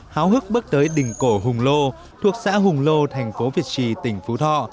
háo hức bước tới đỉnh cổ hùng lô thuộc xã hùng lô thành phố việt trì tỉnh phú thọ